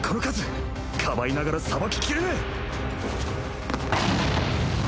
かばいながらさばききれねえ